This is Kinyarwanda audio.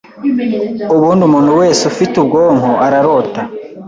ubundi umuntu wese ufite ubwonko ararota.